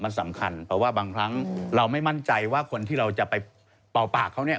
มันสำคัญเพราะว่าบางครั้งเราไม่มั่นใจว่าคนที่เราจะไปเป่าปากเขาเนี่ย